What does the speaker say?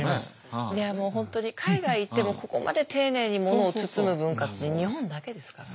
いやもう本当に海外行ってもここまで丁寧にものを包む文化って日本だけですからね。